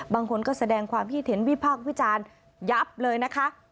บางคนก็แสดงความคิดเห็นวิพากษ์วิจารณ์ยับเลยนะคะ